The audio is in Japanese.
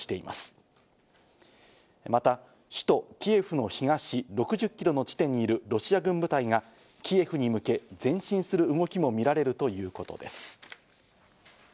また首都キエフの東６０キロの地点にいるロシア軍部隊がキエフに向け、前進する動きもみられるということです。